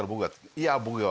「いや僕が」